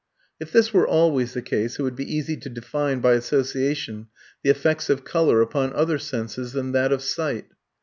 If this were always the case, it would be easy to define by association the effects of colour upon other senses than that of sight.